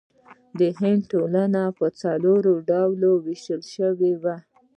د هند ټولنه په څلورو ډلو ویشل شوې وه.